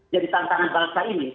jadi tantangan bangsa ini